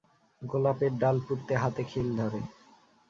গোলাপের ডাল পুঁততে হাতে খিল ধরে!